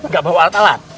gak bawa alat alat